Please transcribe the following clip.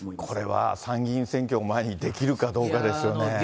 これは参議院選挙を前にできるかどうかですよね。